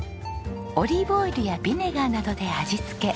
オリーブオイルやビネガーなどで味付け。